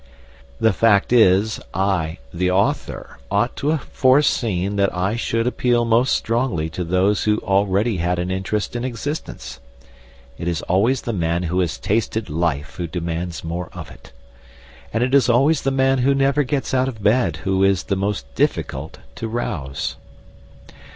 The fact is, I, the author, ought to have foreseen that I should appeal most strongly to those who already had an interest in existence. It is always the man who has tasted life who demands more of it. And it is always the man who never gets out of bed who is the most difficult to rouse.